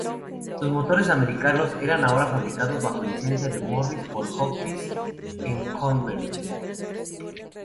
Sus motores americanos eran ahora fabricados bajo licencia para Morris por Hotchkiss en Coventry.